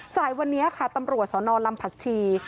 สายวันนี้ค่ะตำรวจสนลำผักชี